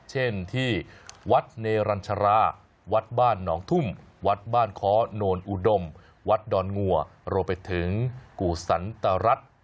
เช่นที่วัดเนรัญชราวัดบ้านหนองทุ่มวัดบ้านค้อโนนอุดมวัดดอนงัวรวมไปถึงกู่สันตรรัฐ